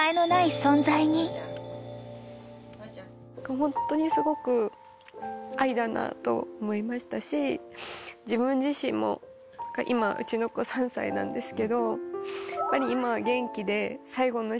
ホントにすごく愛だなと思いましたし自分自身も今うちの子３歳なんですけど。